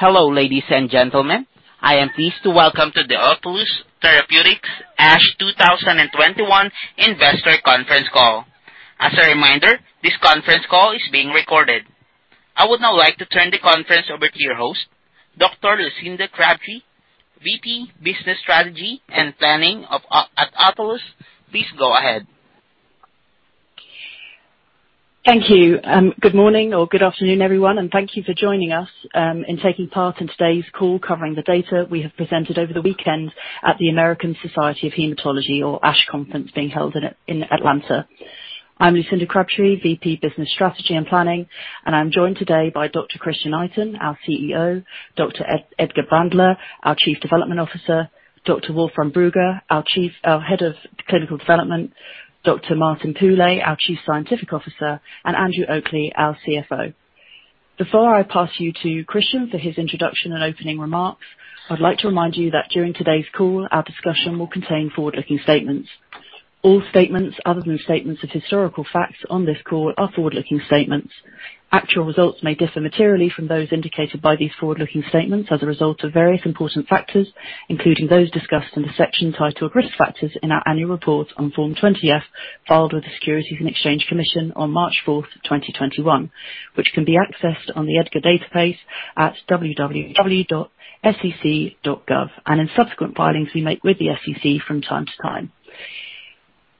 Hello, ladies and gentlemen. I am pleased to welcome you to the Autolus Therapeutics ASH 2021 investor conference call. As a reminder, this conference call is being recorded. I would now like to turn the conference over to your host, Dr. Lucinda Crabtree, VP, Business Strategy and Planning of Autolus. Please go ahead. Thank you. Good morning or good afternoon, everyone, and thank you for joining us in taking part in today's call covering the data we have presented over the weekend at the American Society of Hematology, or ASH conference, being held in Atlanta. I'm Lucinda Crabtree, VP, Business Strategy and Planning, and I'm joined today by Dr. Christian Itin, our CEO; Dr. Edgar Braendle, our Chief Development Officer; Dr. Wolfram Brugger, our Head of Clinical Development; Dr. Martin Pulé, our Chief Scientific Officer; and Andrew Oakley, our CFO. Actual results may differ materially from those indicated by these forward-looking statements as a result of various important factors, including those discussed in the section titled Risk Factors in our annual report on Form 20-F, filed with the Securities and Exchange Commission on March 4, 2021, which can be accessed on the EDGAR database at www.sec.gov, and in subsequent filings we make with the SEC from time to time.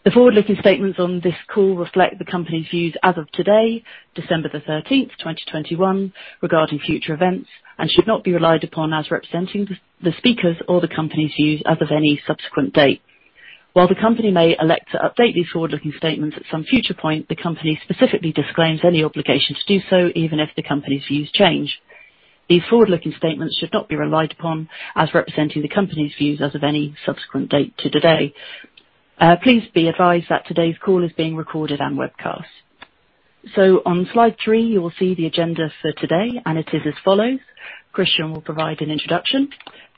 These forward-looking statements should not be relied upon as representing the company's views as of any subsequent date to today. Please be advised that today's call is being recorded and webcast. On slide three, you will see the agenda for today, and it is as follows: Christian will provide an introduction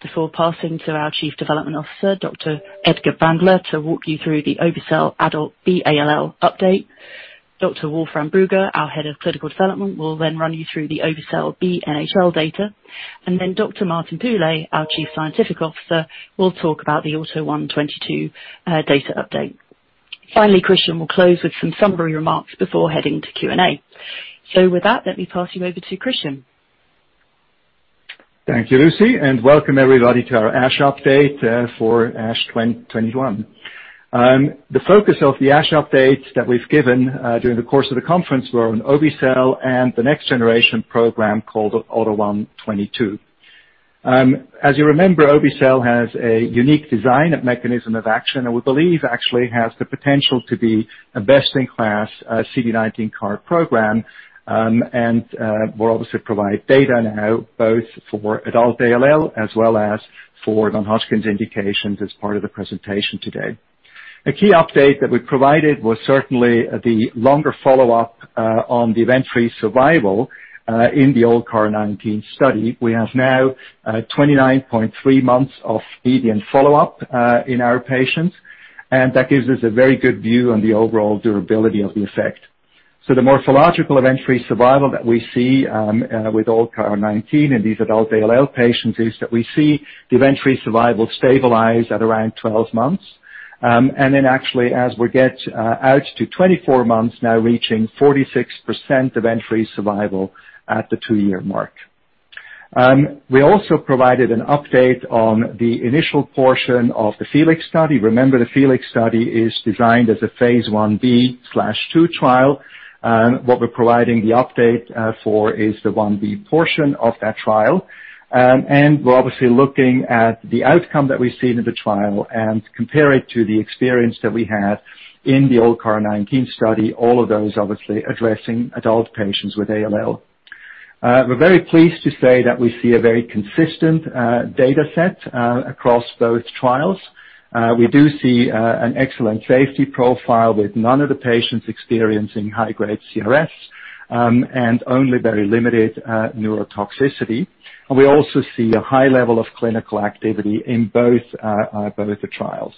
before passing to our Chief Development Officer, Dr. Edgar Braendle, to walk you through the obe-cel adult ALL update. Thank you, Lucy, and welcome everybody to our ASH update for ASH 2021. The focus of the ASH update that we've given during the course of the conference was on obe-cel and the next-generation program called AUTO1/22. As you remember, obe-cel has a unique design and mechanism of action, and we believe actually has the potential to be a best-in-class CD19 CAR program. The morphological event-free survival that we see with ALLCAR19 in these adult ALL patients is that we see the event-free survival stabilize at around 12 months. Actually as we get out to 24 months, now reaching 46% event-free survival at the two-year mark. We also provided an update on the initial portion of the FELIX study. We're very pleased to say that we see a very consistent data set across both trials. We do see an excellent safety profile with none of the patients experiencing high-grade CRS and only very limited neurotoxicity. We also see a high level of clinical activity in both the trials.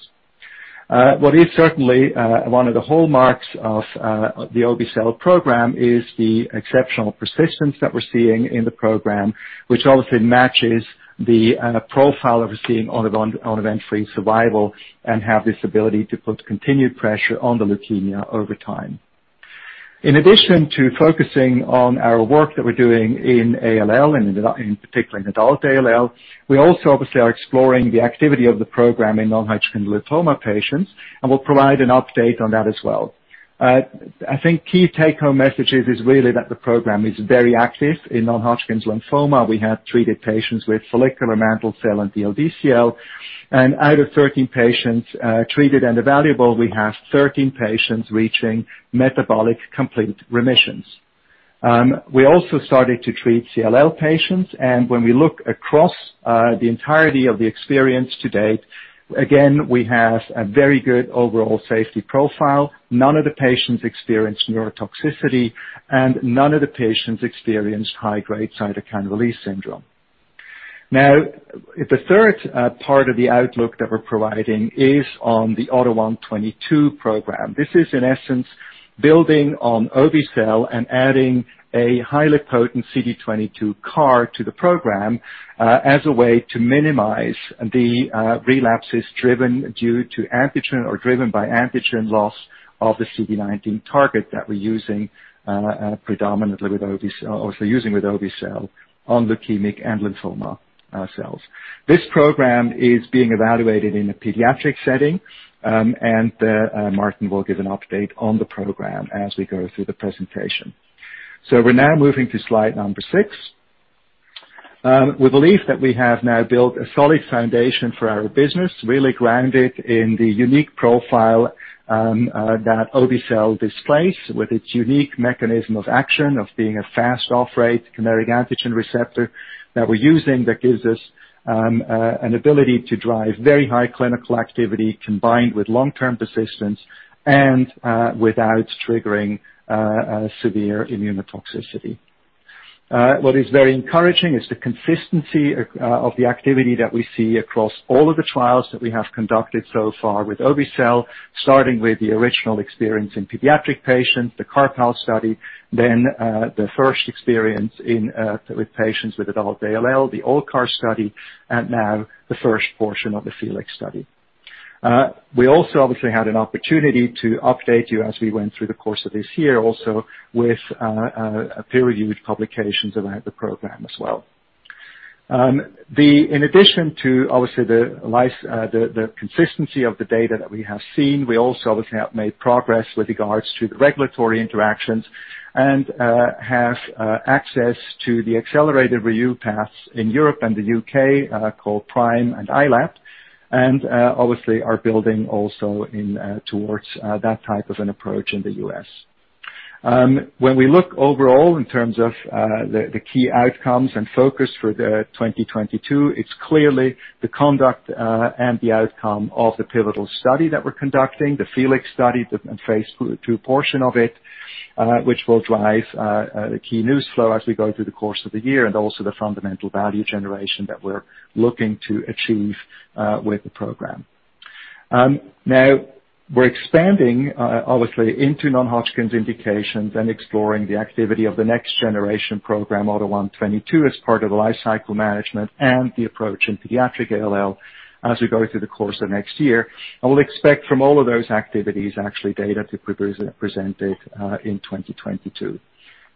In addition to focusing on our work that we're doing in ALL, and in particular in adult ALL, we also obviously are exploring the activity of the program in non-Hodgkin lymphoma patients, and we'll provide an update on that as well. I think key take-home messages are really that the program is very active in non-Hodgkin lymphoma. This is, in essence, building on obe-cel and adding a highly potent CD22 CAR to the program, as a way to minimize the relapses driven by antigen loss of the CD19 target that we're using, predominantly with obe-cel or also using with obe-cel on leukemic and lymphoma cells. This program is being evaluated in a pediatric setting, and Martin will give an update on the program as we go through the presentation. We're now moving to slide number six. We believe that we have now built a solid foundation for our business, really grounded in the unique profile that obe-cel displays with its unique mechanism of action of being a fast off-rate chimeric antigen receptor that we're using that gives us an ability to drive very high clinical activity combined with long-term persistence and without triggering severe immunotoxicity. We also obviously had an opportunity to update you as we went through the course of this year also with peer-reviewed publications about the program as well. In addition to obviously the consistency of the data that we have seen, we also obviously have made progress with regards to the regulatory interactions and have access to the accelerated review paths in Europe and the U.K. called PRIME and ILAP, and obviously are building also towards that type of an approach in the U.S. When we look overall in terms of the key outcomes and focus for 2022, it's clearly the conduct and the outcome of the pivotal study that we're conducting, the FELIX study, the phase II portion of it, which will drive the key news flow as we go through the course of the year and also the fundamental value generation that we're looking to achieve with the program.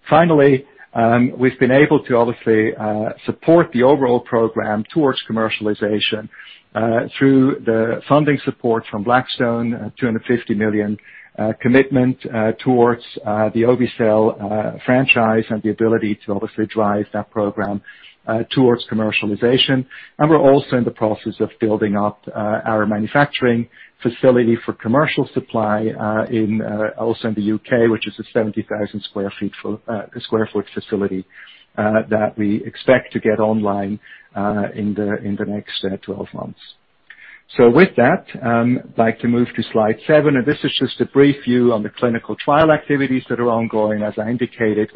Finally, we've been able to obviously support the overall program towards commercialization through the funding support from Blackstone, $250 million commitment towards the obe-cel franchise and the ability to obviously drive that program towards commercialization. As I indicated, we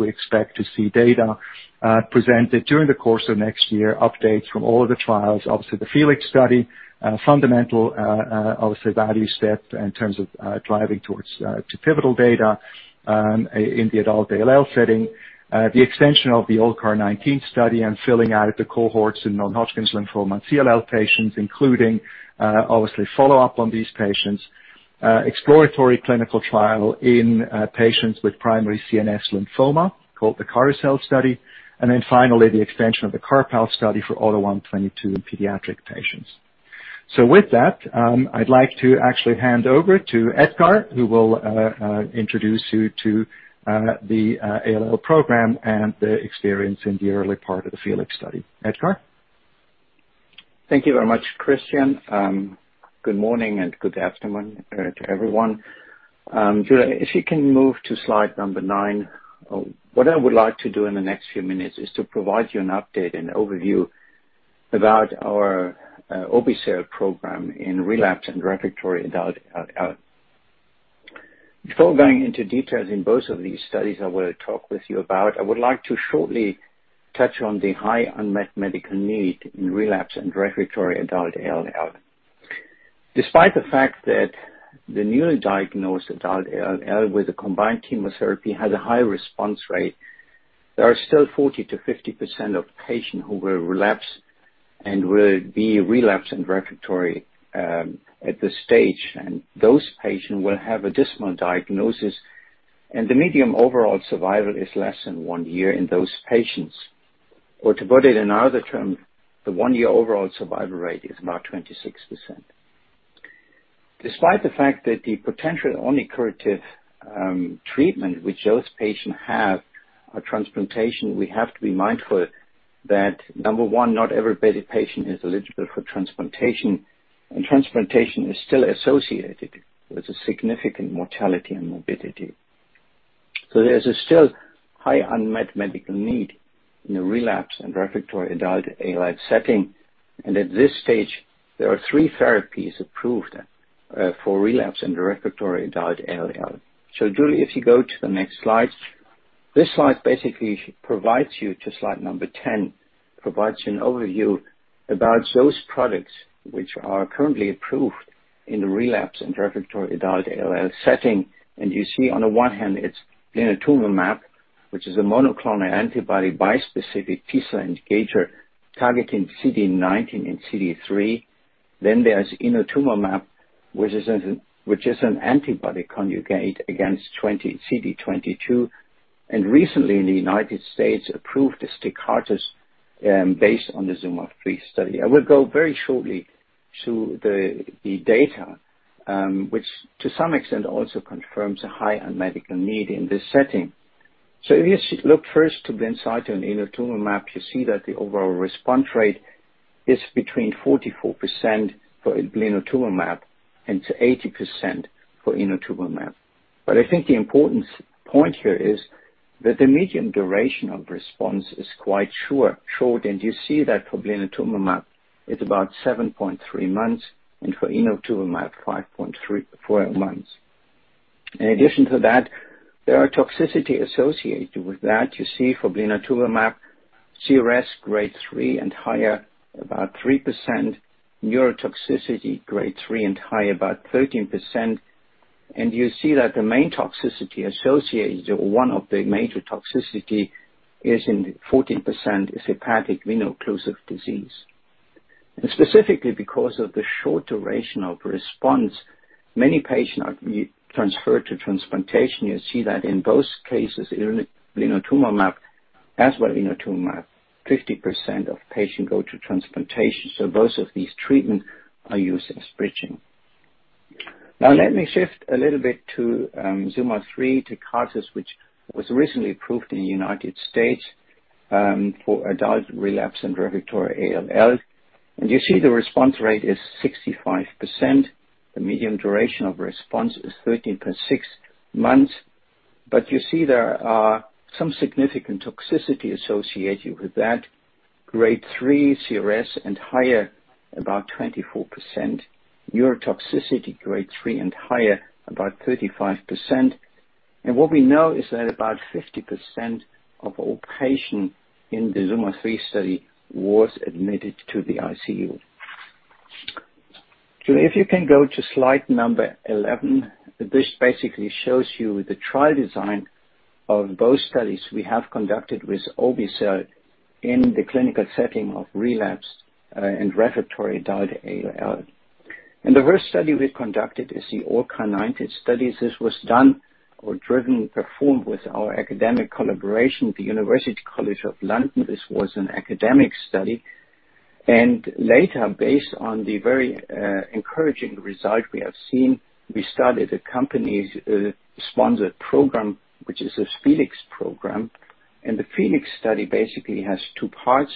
expect to see data presented during the course of next year, updates from all of the trials—obviously the FELIX study, fundamental value step in terms of driving towards pivotal data in the adult ALL setting. Thank you very much, Christian. Good morning and good afternoon to everyone. Julie, if you can move to slide number nine. What I would like to do in the next few minutes is to provide you an update and overview about our obe-cel program in relapsed and refractory adult ALL. To put it in other terms, the one-year overall survival rate is about 26%. Despite the fact that the potential only curative treatment which those patients have is transplantation, we have to be mindful that, number one, not every patient is eligible for transplantation, and transplantation is still associated with a significant mortality and morbidity. There's inotuzumab, which is an antibody-drug conjugate against CD22, and recently the United States approved Tecartus based on the ZUMA-3 study. I will go very shortly to the data, which to some extent also confirms a high unmet medical need in this setting. You see that the main toxicity associated, or one of the major toxicity, is in 14% hepatic veno-occlusive disease. Specifically because of the short duration of response, many patients are transferred to transplantation. You see that in both cases, in blinatumomab as well as inotuzumab, 50% of patients go to transplantation, so both of these treatments are used as bridging. Now, let me shift a little bit to ZUMA-3 Tecartus, which was recently approved in the United States for adult relapse and refractory ALL. You see the response rate is 65%. The median duration of response is 13.6 months. You see there are some significant toxicity associated with that. Grade 3 CRS and higher, about 24%. Neurotoxicity Grade 3 and higher, about 35%. What we know is that about 50% of all patients in the ZUMA-3 study was admitted to the ICU. If you can go to slide 11, this basically shows you the trial design of both studies we have conducted with obe-cel in the clinical setting of relapse and refractory adult ALL. The first study we conducted is the ALLCAR19 study. This was performed with our academic collaboration, the University College London. This was an academic study, and later, based on the very encouraging result we have seen, we started a company-sponsored program, which is this FELIX program. The FELIX study basically has two parts.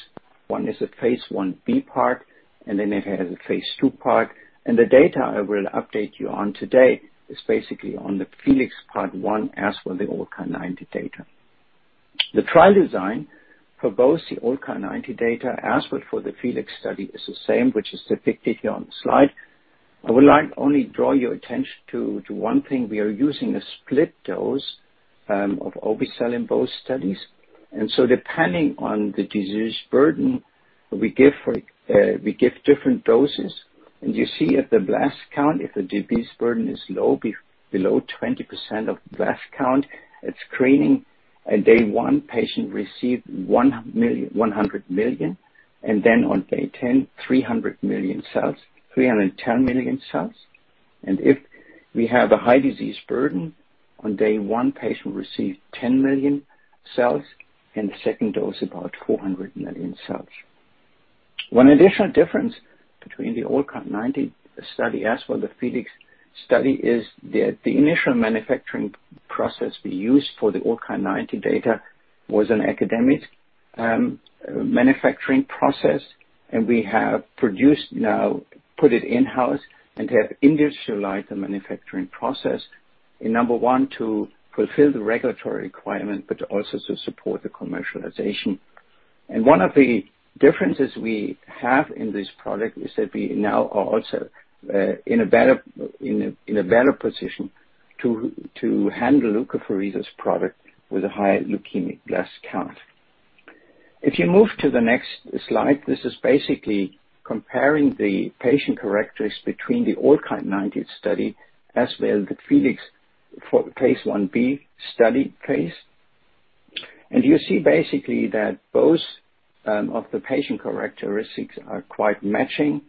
One is a Phase Ib part, and then it has a Phase II part. The data I will update you on today is basically on the FELIX Phase Ib part as for the ALLCAR19 data. The trial design for both the ALLCAR19 data as well for the FELIX study is the same, which is depicted here on the slide. I would like to draw your attention to one thing. We are using a split dose of obe-cel in both studies, and so depending on the disease burden we give different doses. You see at the blast count, if the disease burden is low, below 20% blast count at screening and day one, patient received 100 million, and then on day ten, 300 million cells, 310 million cells. If we have a high disease burden on day one, the patient received 10 million cells and the second dose about 400 million cells. One additional difference between the ALLCAR19 study as well as the FELIX study is the initial manufacturing process we used for the ALLCAR19 data was an academic manufacturing process and we have now put it in-house and have industrialized the manufacturing process. Number one, to fulfill the regulatory requirement, but also to support the commercialization. One of the differences we have in this product is that we now are also in a better position to handle leukapheresis product with a higher leukemic blast count. If you move to the next slide, this is basically comparing the patient characteristics between the ALLCAR19 study as well as the FELIX Phase Ib study. You see basically that both of the patient characteristics are quite matching.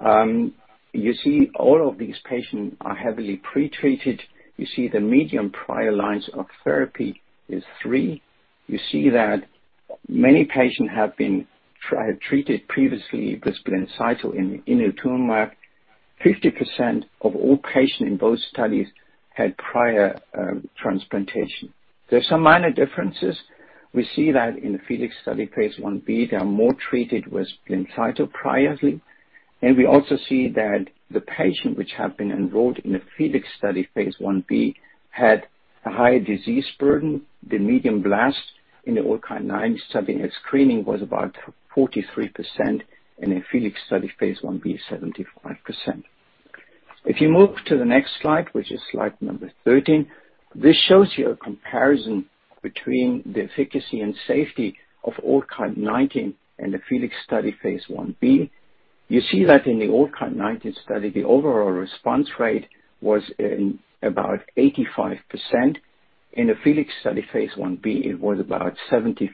You see all of these patients are heavily pre-treated. You see the median prior lines of therapy is three. You see that many patients have been treated previously with blinatumomab, inotuzumab. 50% of all patients in both studies had prior transplantation. There are some minor differences. We see that in the FELIX study, Phase Ib, they are more treated with blinatumomab previously. We also see that the patients which have been enrolled in the FELIX study, Phase Ib, had a higher disease burden. The median blast in the ALLCAR19 study at screening was about 43%. In the FELIX study, Phase Ib, 75%. If you move to the next slide, which is slide number 13, this shows you a comparison between the efficacy and safety of ALLCAR19 and the FELIX study Phase Ib. You see that in the ALLCAR19 study, the overall response rate was in about 85%. In the FELIX study Phase Ib, it was about 75%.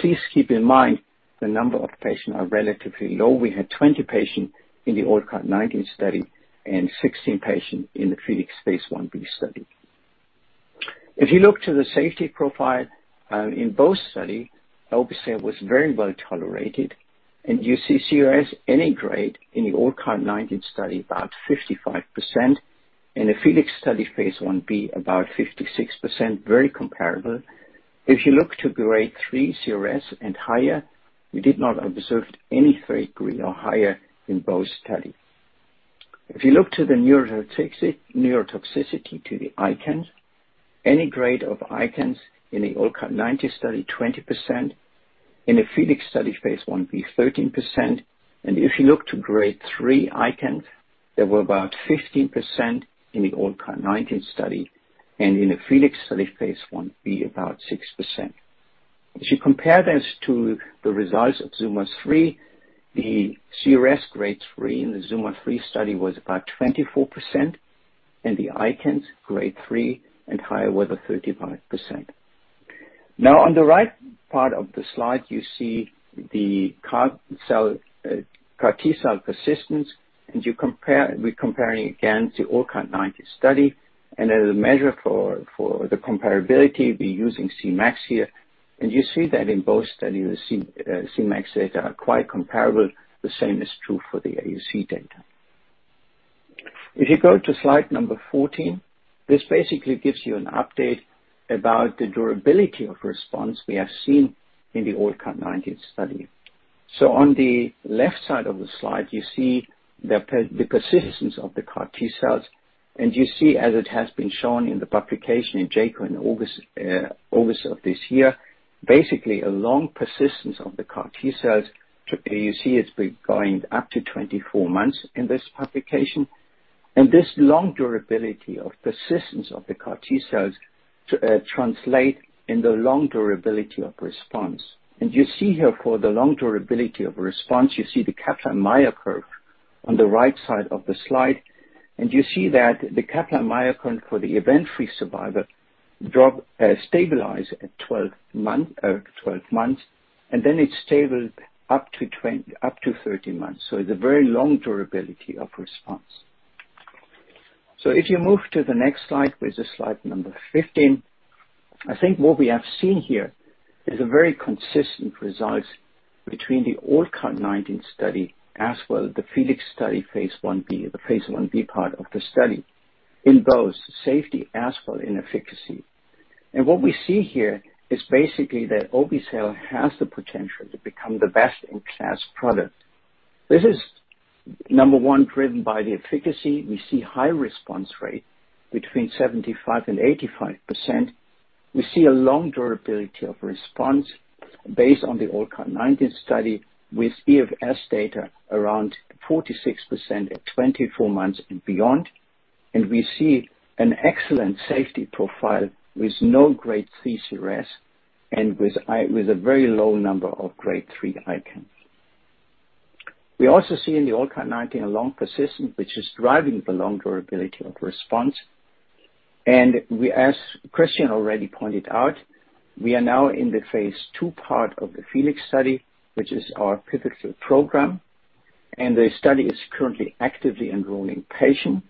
Please keep in mind the number of patients are relatively low. We had 20 patients in the ALLCAR19 study and 16 patients in the FELIX Phase Ib study. If you look to the safety profile, in both study, obe-cel was very well tolerated and you see CRS any grade in the ALLCAR19 study, about 55%. In the FELIX study Phase Ib, about 56%. Very comparable. If you look to Grade 3 CRS and higher, we did not observe any Grade 3 or higher in both studies. If you look to the neurotoxicity to the ICANS, any grade of ICANS in the ALLCAR19 study, 20%. In the FELIX study Phase Ib, 13%. If you look to Grade 3 ICANS, there were about 15% in the ALLCAR19 study and in the FELIX study Phase Ib about 6%. If you compare this to the results of ZUMA-3, the CRS Grade 3 in the ZUMA-3 study was about 24% and the ICANS Grade 3 and higher were the 35%. Now, on the right part of the slide, you see the CAR T-cell persistence, and you compare—we're comparing again to ALLCAR19 study. As a measure for the comparability, we're using Cmax here. You see that in both studies, the Cmax data are quite comparable. The same is true for the AUC data. If you go to slide number 14, this basically gives you an update about the durability of response we have seen in the ALLCAR19 study. On the left side of the slide, you see the persistence of the CAR T cells. You see, as it has been shown in the publication in JCO in August of this year, basically a long persistence of the CAR T cells. It's been going up to 24 months in this publication. This long durability of persistence of the CAR T cells translates into the long durability of response. You see here for the long durability of response, you see the Kaplan-Meier curve on the right side of the slide, and you see that the Kaplan-Meier curve for the event-free survival drop stabilize at 12 months, and then it's stable up to 13 months. It's a very long durability of response. If you move to the next slide, which is slide number 15, I think what we have seen here is a very consistent results between the ALLCAR19 study as well as the FELIX study Phase Ib, the Phase Ib part of the study, in both safety as well in efficacy. What we see here is basically that obe-cel has the potential to become the best-in-class product. This is, number one, driven by the efficacy. We see high response rate between 75% and 85%. We see a long durability of response based on the ALLCAR19 study with EFS data around 46% at 24 months and beyond. We see an excellent safety profile with no Grade 3 CRS and with a very low number of Grade 3 ICANS. We also see in the ALLCAR19 a long persistence which is driving the long durability of response. We, as Christian already pointed out, are now in the Phase II part of the FELIX study, which is our pivotal program, and the study is currently actively enrolling patients.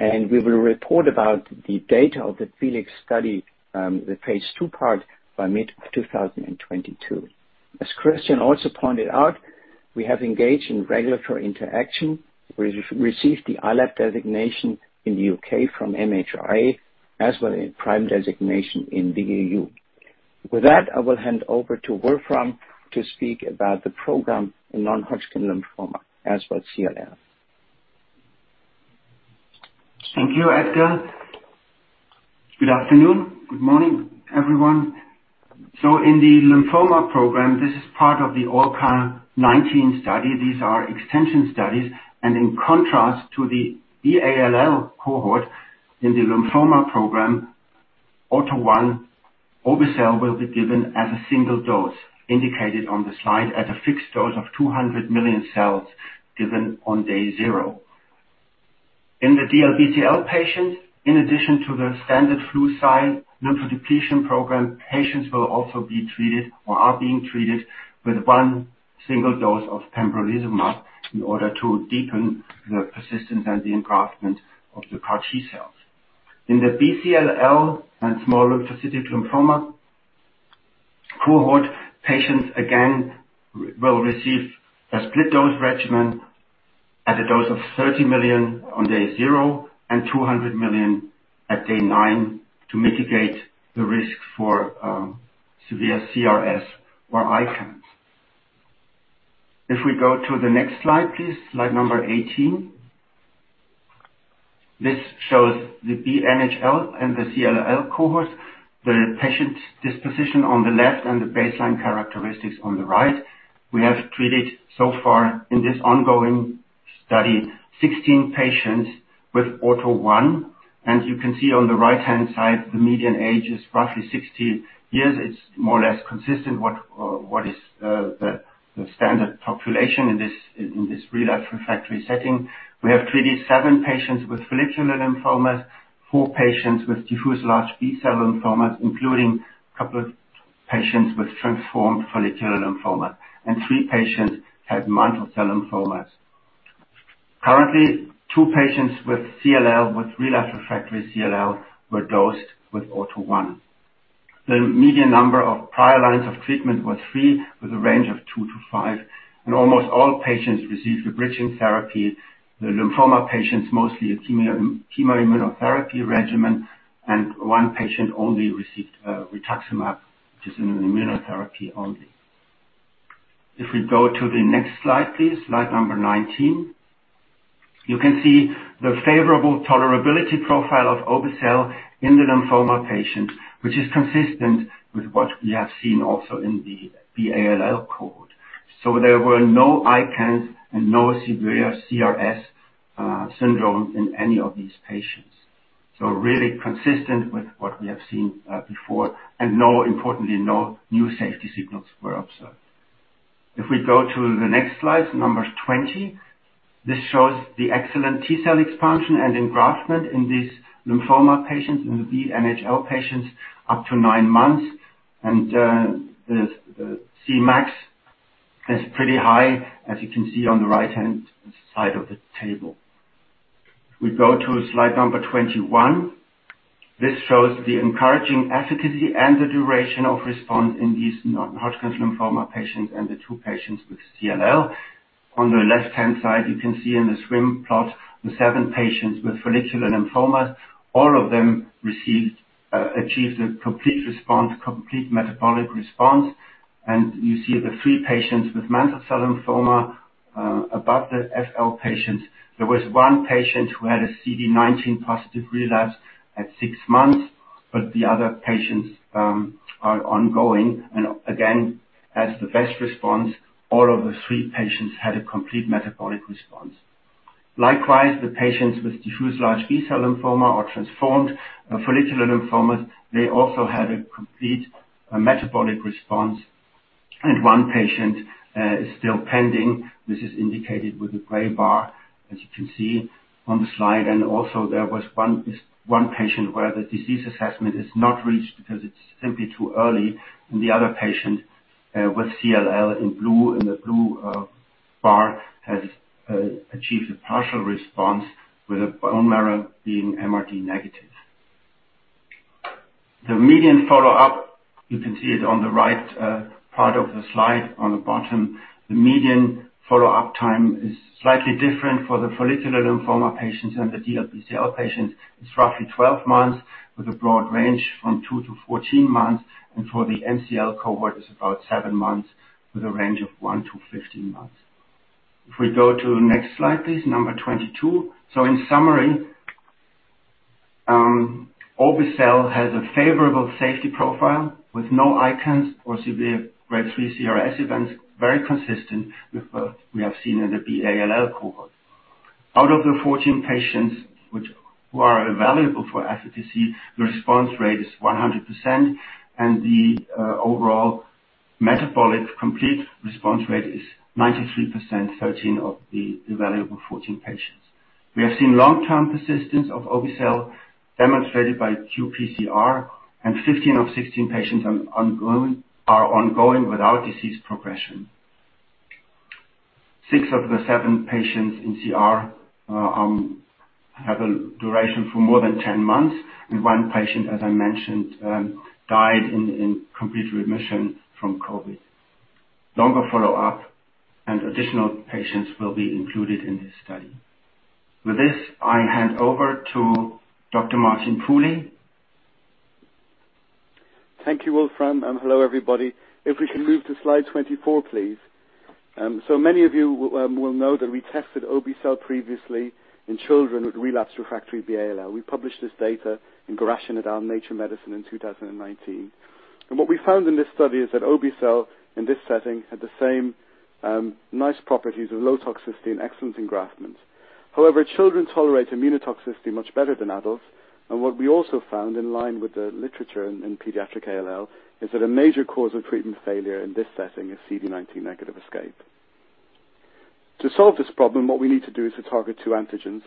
We will report about the data of the FELIX study, the Phase II part by mid-2022. As Christian also pointed out, we have engaged in regulatory interaction. We received the ILAP designation in the U.K. from MHRA, as well as PRIME designation in the EU. With that, I will hand over to Wolfram to speak about the program in non-Hodgkin lymphoma, as well as CLL. Thank you, Edgar. Good afternoon, good morning, everyone. In the lymphoma program, this is part of the ALLCAR19 study. These are extension studies. In contrast to the adult ALL cohort in the lymphoma program, AUTO1 obe-cel will be given as a single dose indicated on the slide at a fixed dose of 200 million cells given on day 0. In the DLBCL patients, in addition to the standard flu-cy lymphodepletion program, patients will also be treated or are being treated with one single dose of pembrolizumab in order to deepen the persistence and the engraftment of the CAR T cells. In the B-cell and small lymphocytic lymphoma cohort, patients again will receive a split dose regimen at a dose of 30 million on day 0 and 200 million on day 9 to mitigate the risk for severe CRS or ICANS. If we go to the next slide, please, slide number 18. This shows the B-NHL and the CLL cohort, the patient disposition on the left, and the baseline characteristics on the right. We have treated so far in this ongoing study 16 patients with AUTO1, and you can see on the right-hand side, the median age is roughly 60 years. It's more or less consistent with what is the standard population in this relapsed refractory setting. We have treated seven patients with follicular lymphomas, four patients with diffuse large B-cell lymphomas, including a couple of patients with transformed follicular lymphoma, and three patients had mantle cell lymphomas. Currently, two patients with CLL, with relapsed refractory CLL, were dosed with AUTO1. The median number of prior lines of treatment was 3, with a range of 2-5, and almost all patients received a bridging therapy. The lymphoma patients mostly a chemo-immunotherapy regimen, and one patient only received rituximab, which is an immunotherapy only. If we go to the next slide, please. Slide number 19. You can see the favorable tolerability profile of obe-cel in the lymphoma patient, which is consistent with what we have seen also in the ALL cohort. There were no ICANS and no severe CRS syndrome in any of these patients. Really consistent with what we have seen before, and, importantly, no new safety signals were observed. If we go to the next slide, number 20, this shows the excellent T-cell expansion and engraftment in these lymphoma patients, in the B-NHL patients, up to nine months. The Cmax is pretty high, as you can see on the right-hand side of the table. If we go to slide number 21, this shows the encouraging efficacy and the duration of response in these non-Hodgkin lymphoma patients and the two patients with CLL. On the left-hand side, you can see in the swim plot the seven patients with follicular lymphoma. All of them achieved a complete response, complete metabolic response. You see the three patients with mantle cell lymphoma above the FL patients. There was one patient who had a CD19 positive relapse at 6 months, but the other patients are ongoing. Again, as the best response, all of the three patients had a complete metabolic response. Likewise, the patients with diffuse large B-cell lymphoma or transformed follicular lymphomas, they also had a complete metabolic response. One patient is still pending. This is indicated with a gray bar, as you can see on the slide. Also, there was one patient where the disease assessment is not reached because it's simply too early. The other patient with CLL in the blue bar has achieved a partial response with the bone marrow being MRD negative. The median follow-up, you can see it on the right part of the slide on the bottom. The median follow-up time is slightly different for the follicular lymphoma patients and the DLBCL patients. It's roughly 12 months with a broad range from 2-14 months. For the MCL cohort, it's about 7 months with a range of 1-15 months. If we go to the next slide, please, number 22. In summary, obe-cel has a favorable safety profile with no ICANS or severe grade 3 CRS events, very consistent with what we have seen in the B-ALL cohort. Out of the 14 patients who are available for efficacy, the response rate is 100%, and the overall metabolic complete response rate is 93%, 13 of the available 14 patients. We have seen long-term persistence of obe-cel demonstrated by qPCR, and 15 of 16 patients are ongoing without disease progression. Six of the seven patients in CR have a duration for more than 10 months, and one patient, as I mentioned, died in complete remission from COVID. Longer follow-up and additional patients will be included in this study. With this, I hand over to Dr. Martin Pooley. Thank you, Wolfram, and hello, everybody. If we can move to slide 24, please. Many of you will know that we tested obe-cel previously in children with relapsed refractory B-ALL. We published this data in Ghorashian et al. Nature Medicine in 2019. What we found in this study is that obe-cel in this setting had the same nice properties of low toxicity and excellent engraftment. However, children tolerate immunotoxicity much better than adults. What we also found, in line with the literature in pediatric ALL, is that a major cause of treatment failure in this setting is CD19 negative escape. To solve this problem, what we need to do is to target two antigens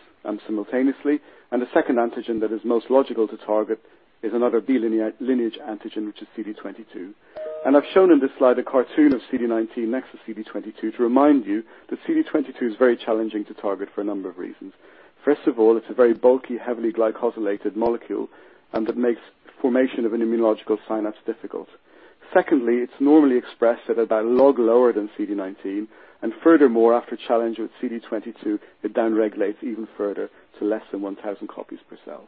simultaneously. The second antigen that is most logical to target is another B lineage antigen, which is CD22. I've shown in this slide a cartoon of CD19 next to CD22 to remind you that CD22 is very challenging to target for a number of reasons. First of all, it's a very bulky, heavily glycosylated molecule, and that makes formation of an immunological synapse difficult. Secondly, it's normally expressed at about a log lower than CD19, and furthermore, after challenge with CD22, it down-regulates even further to less than 1,000 copies per cell.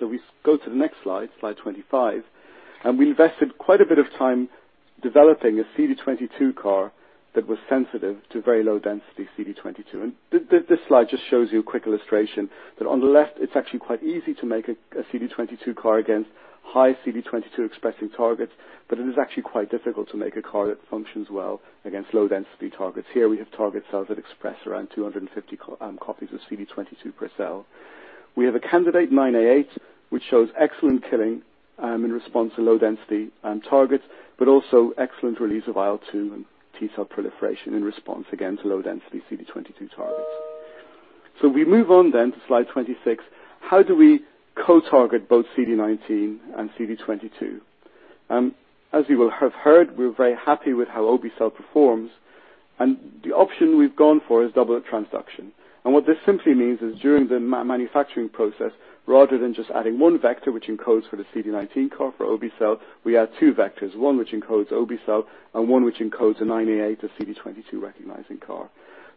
We go to the next slide 25. We invested quite a bit of time developing a CD22 CAR that was sensitive to very low density CD22. This slide just shows you a quick illustration that on the left it's actually quite easy to make a CD22 CAR against high CD22 expressing targets, but it is actually quite difficult to make a CAR that functions well against low density targets. Here we have target cells that express around 250 copies of CD22 per cell. We have a candidate 9A8, which shows excellent killing in response to low density targets. But also excellent release of IL-2 and T-cell proliferation in response, again, to low density CD22 targets. We move on then to slide 26. How do we co-target both CD19 and CD22? As you will have heard, we're very happy with how obe-cel performs, and the option we've gone for is double transduction. What this simply means is during the manufacturing process, rather than just adding one vector which encodes for the CD19 CAR for obe-cel, we add two vectors. One which encodes obe-cel, and one which encodes a 9A8, a CD22 recognizing CAR.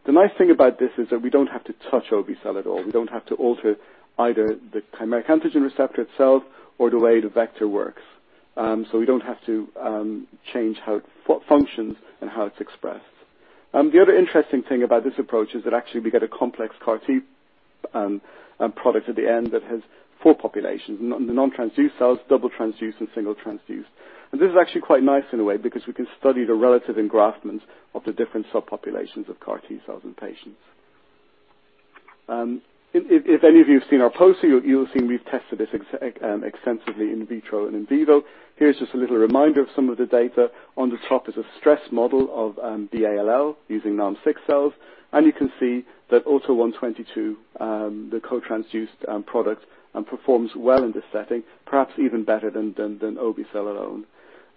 The nice thing about this is that we don't have to touch obe-cel at all. We don't have to alter either the chimeric antigen receptor itself or the way the vector works. So we don't have to change how it functions and how it's expressed. The other interesting thing about this approach is that actually we get a complex CAR T product at the end that has four populations. Non-transduced cells, double transduced, and single transduced. This is actually quite nice in a way because we can study the relative engraftment of the different cell populations of CAR T cells in patients. If any of you have seen our poster, you'll have seen we've tested this extensively in vitro and in vivo. Here's just a little reminder of some of the data. On the top is a stress model of the ALL using NALM-6 cells, and you can see that AUTO1/22, the co-transduced product, performs well in this setting, perhaps even better than obe-cel alone.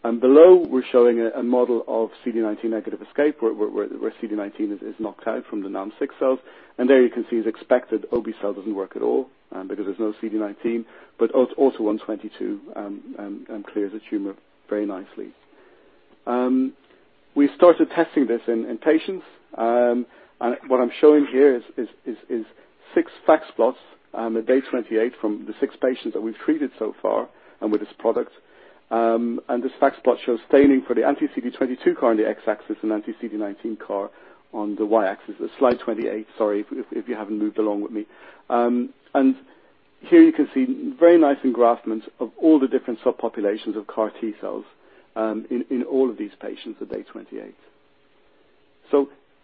Below we're showing a model of CD19-negative escape where CD19 is knocked out from the NALM-6 cells. There you can see as expected, obe-cel doesn't work at all, because there's no CD19, but AUTO1/22 clears the tumor very nicely. We started testing this in patients. What I'm showing here is 6 FACS plots at day 28 from the 6 patients that we've treated so far with this product. This FACS plot shows staining for the anti-CD22 CAR on the X-axis and anti-CD19 CAR on the Y-axis. Slide 28, sorry if you haven't moved along with me. Here you can see very nice engraftment of all the different subpopulations of CAR T cells in all of these patients at day 28.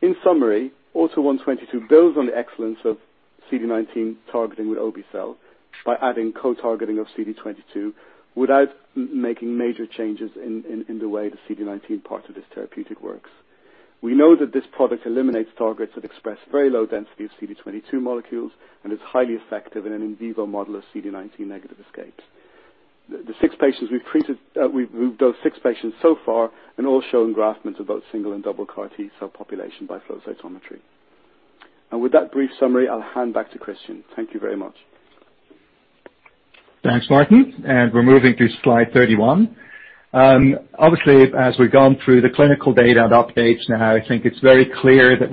In summary, AUTO1/22 builds on the excellence of CD19 targeting with obe-cel by adding co-targeting of CD22 without making major changes in the way the CD19 part of this therapeutic works. We know that this product eliminates targets that express very low-density of CD22 molecules and is highly effective in an in vivo model of CD19-negative escapes. The six patients we've treated. We've dosed six patients so far and all show engraftment of both single and double CAR T-cell population by flow cytometry. With that brief summary, I'll hand back to Christian. Thank you very much. Moving to slide 31. We have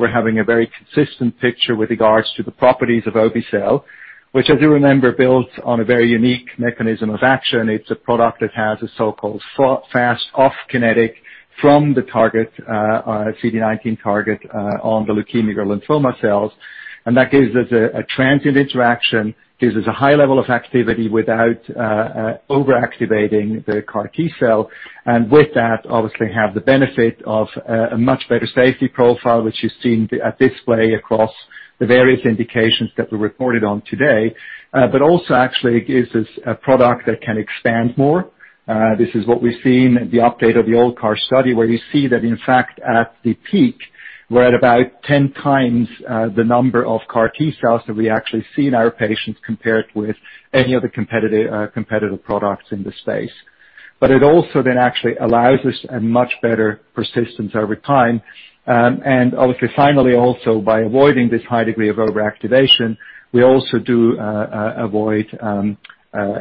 a very consistent picture regarding the properties of obe-cel, which builds on a unique mechanism of action: a "fast off" kinetic from the CD19 target. This gives us a high level of activity without over-activating the CAR T-cell, resulting in a much better safety profile and allowing the product to expand more. In the ALLCAR study, we saw that at the peak, we have about 10 times the number of CAR T-cells compared with competitive products, allowing for better persistence and avoiding cell exhaustion. This is what we've seen in the update of the ALLCAR study, where you see that in fact at the peak we're at about 10 times the number of CAR T-cells that we actually see in our patients compared with any other competitive products in this space. It also actually allows us a much better persistence over time. Obviously finally also by avoiding this high degree of over-activation, we also avoid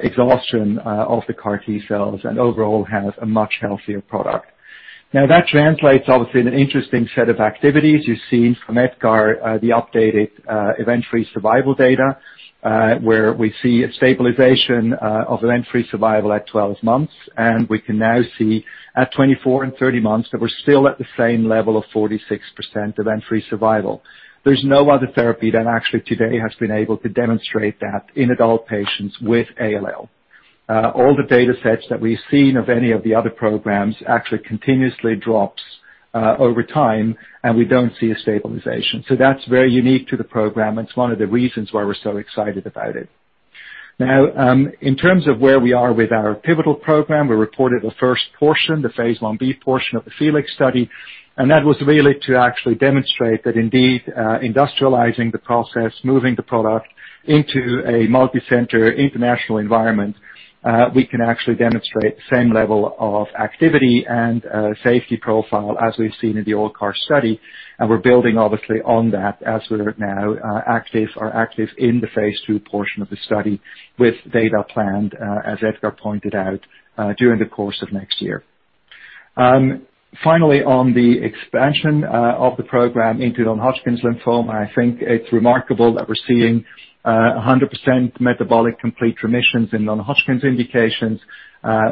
exhaustion of the CAR T-cells and overall have a much healthier product. Now that translates obviously in an interesting set of activities. The updated event-free survival (EFS) data shows stabilization at 12 months, and at 24 and 30 months, we remain at 46% EFS. No other therapy has demonstrated this stabilization in adult patients with ALL. Regarding our pivotal FELIX study, the phase Ib portion demonstrated that industrializing the process in a multicenter environment maintains the same level of activity and safety. In the NHL expansion, we are seeing 100% metabolic complete remissions. In follicular lymphoma, at around 10 months of observation, all patients remain in continued remission. Now, in terms of where we are with our pivotal program, we reported the first portion, the phase Ib portion of the FELIX study, and that was really to actually demonstrate that indeed, industrializing the process, moving the product into a multicenter international environment, we can actually demonstrate the same level of activity and, safety profile as we've seen in the old CAR study. We're building obviously on that as we're now, active in the phase II portion of the study with data planned, as Edgar pointed out, during the course of next year. Finally, on the expansion, of the program into non-Hodgkin's lymphoma, I think it's remarkable that we're seeing, 100% metabolic complete remissions in non-Hodgkin's indications.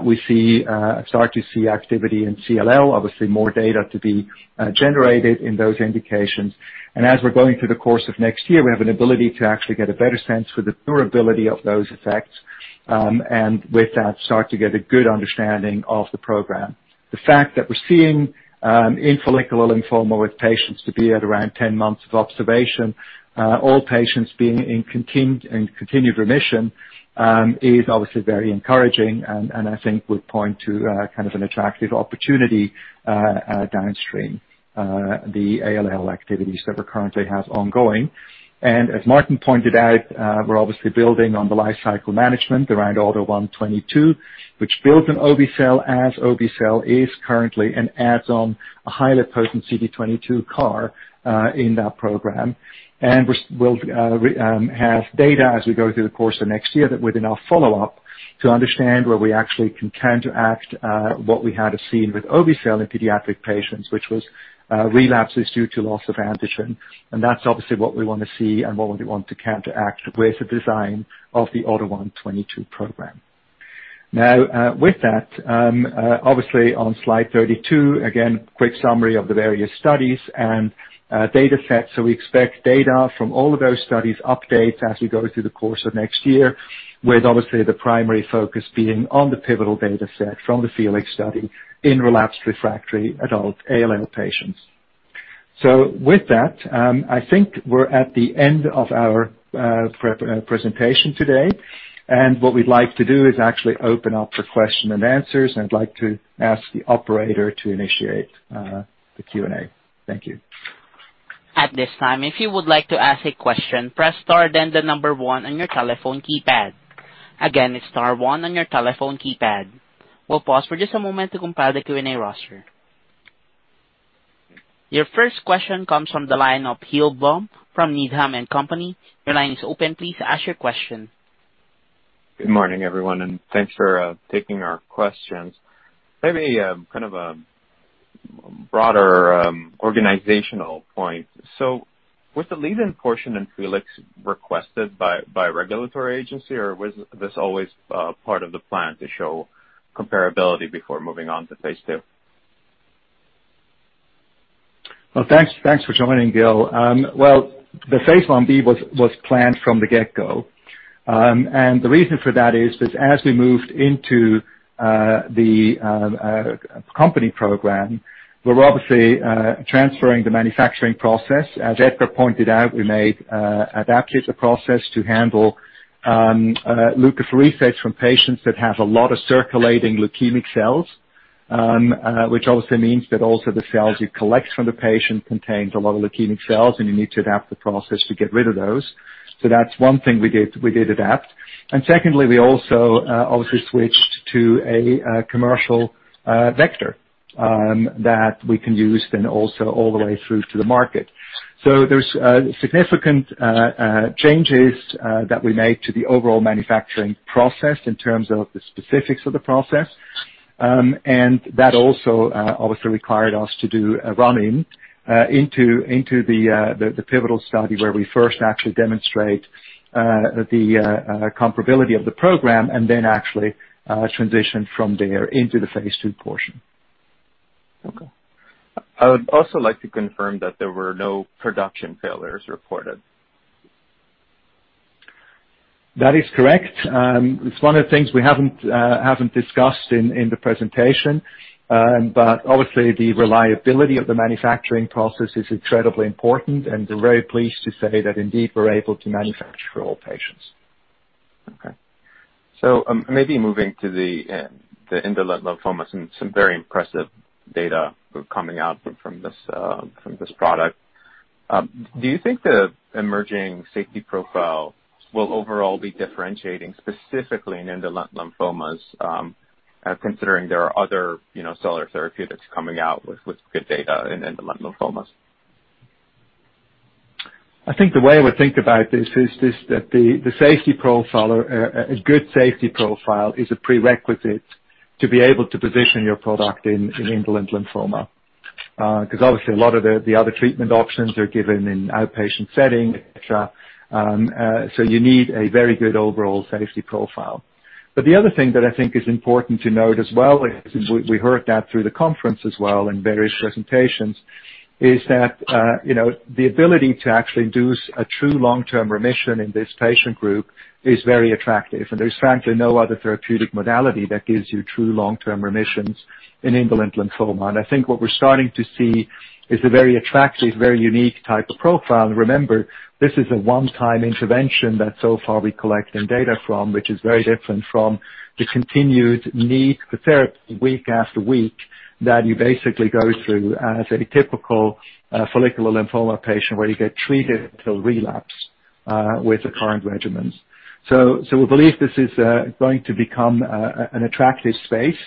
We see activity in CLL, obviously more data to be generated in those indications. As we're going through the course of next year, we have an ability to actually get a better sense for the durability of those effects, and with that, start to get a good understanding of the program. The fact that we're seeing in follicular lymphoma with patients to be at around 10 months of observation, all patients being in continued remission, is obviously very encouraging and I think would point to kind of an attractive opportunity downstream, the ALL activities that we currently have ongoing. We are also building on the lifecycle management of AUTO1/22, which adds a highly potent CD22 CAR to the obe-cel backbone to counteract relapses due to antigen loss. We expect data updates from all studies throughout next year, with the primary focus on the pivotal data from the FELIX study. I will now ask the operator to initiate the Q&A. We expect data from all of those studies updates as we go through the course of next year, with obviously the primary focus being on the pivotal data set from the FELIX study in relapsed refractory adult ALL patients. With that, I think we're at the end of our presentation today. What we'd like to do is actually open up for question and answers. I'd like to ask the operator to initiate the Q&A. Thank you. At this time, if you would like to ask a question, press star, then the number one on your telephone keypad. Again, it's star one on your telephone keypad. We'll pause for just a moment to compile the Q&A roster. Your first question comes from the line oGil Blum [Senior Biotech Analyst] Good morning. Was the lead-in portion in FELIX requested by a regulatory agency, or was it always the plan to show comparability before moving to phase II? Also, can you confirm there were no production failures? The phase Ib was planned from the start. We transferred the manufacturing process to handle leukapheresis from patients with high circulating leukemic cells and switched to a commercial vector. This required a run-in to demonstrate comparability before transitioning to phase II. And yes, that is correct: we have had no production failures and were able to manufacture for all patients. There's significant changes that we made to the overall manufacturing process in terms of the specifics of the process. That also obviously required us to do a run-in into the pivotal study where we first actually demonstrate the comparability of the program and then actually transition from there into the phase II portion. Okay. I would also like to confirm that there were no production failures reported. That is correct. It's one of the things we haven't discussed in the presentation. Obviously the reliability of the manufacturing process is incredibly important, and we're very pleased to say that indeed we're able to manufacture all patients. Regarding indolent lymphomas, do you think the safety profile will be differentiating, given other cellular therapeutics in the space? And a question for Martin: any thoughts on the higher pre-clinical activity seen with AUTO1/22 versus AUTO1? A good safety profile is a prerequisite for indolent lymphoma because many other treatments are given in an outpatient setting. CAR T offers a one-time intervention that can induce true long-term remission, which is very different from the weekly therapy typical for follicular lymphoma. Regarding AUTO1/22, the edge comes from the high potency of the CD22 CAR. Having two CARs provides an advantage given the varying expression levels of CD19 and CD22 in vivo. Remember, this is a one-time intervention that so far we're collecting data from, which is very different from the continued need for therapy week after week that you basically go through as a typical follicular lymphoma patient, where you get treated till relapse with the current regimens. We believe this is going to become an attractive space,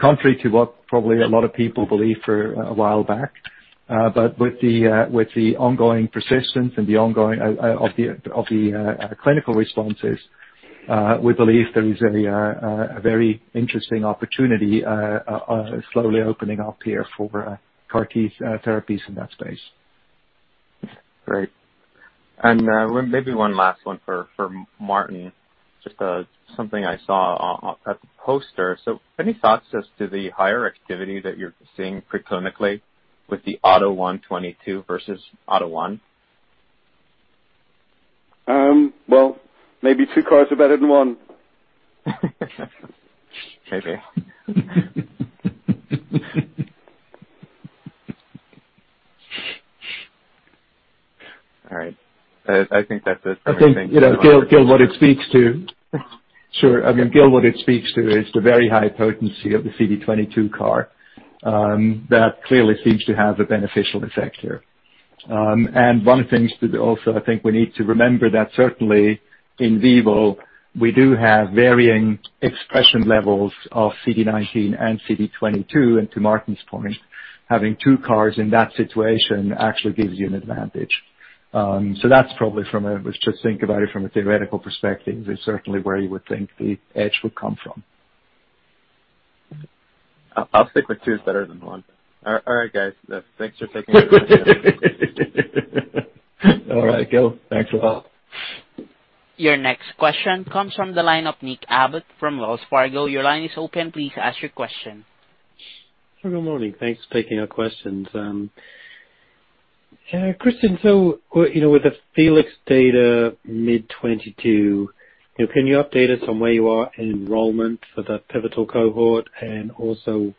contrary to what probably a lot of people believed for a while back. With the ongoing persistence and the ongoing clinical responses, we believe there is a very interesting opportunity slowly opening up here for CAR T therapies in that space. Great. Maybe one last one for Martin, just something I saw at the poster. Any thoughts as to the higher activity that you're seeing pre-clinically with the AUTO1/22 versus AUTO1? Maybe two CARs are better than one. Maybe. All right. I think that's it. Okay. You know, Gil, what it speaks to is the very high potency of the CD22 CAR. That clearly seems to have a beneficial effect here. One of the things that also I think we need to remember that certainly in vivo we do have varying expression levels of CD19 and CD22. To Martin's point, having two CARs in that situation actually gives you an advantage. That's probably from a, let's just think about it from a theoretical perspective, certainly where you would think the edge would come from. I'll stick with two is better than one. All right, guys. Thanks for taking my questions. All right, Gil. Thanks a lot. Your next question comes from the line of Nick Abbott fromWells Fargo Securities. Your line is open. Please ask your question. Good morning. Christian, with the FELIX data in mid-2022, can you update us on enrollment for that pivotal cohort and the